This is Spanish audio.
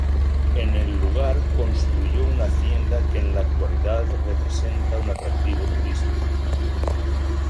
En el lugar construyó una hacienda que en la actualidad representa un atractivo turístico.